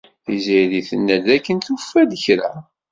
Tiziri tenna-d dakken tufa-d kra.